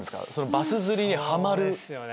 バス釣りにハマる。